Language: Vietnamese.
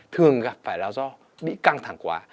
thường gặp phải là do bị căng thẳng quá